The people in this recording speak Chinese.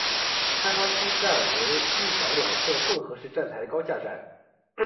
开发区站为一岛两侧混合式站台高架站。